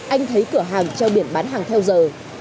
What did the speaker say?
anh thấy cửa hàng treo biển bán hàng theo giờ